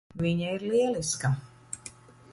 Viņa ir lieliska.